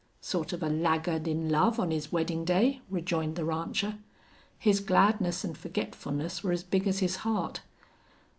"Sort of a laggard in love on his weddin' day," rejoined the rancher. His gladness and forgetfulness were as big as his heart.